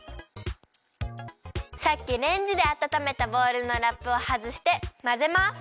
さっきレンジであたためたボウルのラップをはずしてまぜます。